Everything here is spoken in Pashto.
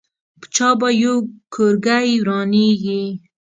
په چا به یو کورګۍ ورانېږي.